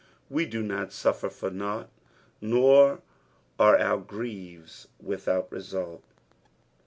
We do not suffer for nought, nor are oar griefs without result.